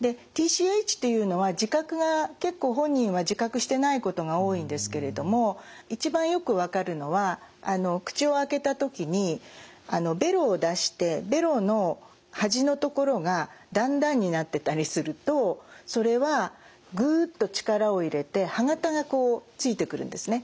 でＴＣＨというのは自覚が結構本人は自覚してないことが多いんですけれども一番よく分かるのは口を開けた時にベロを出してベロの端の所が段々になってたりするとそれはぐっと力を入れて歯型がついてくるんですね。